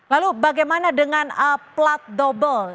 lalu bagaimana dengan plat double